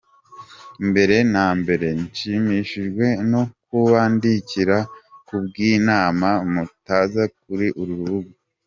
Mbere na mbere nshimishijwe no kubandikira kubw’inama mutanga kuri uru rubuga.